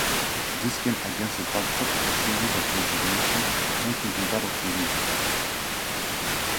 This came against the backdrop of a series of resignations, including that of Li.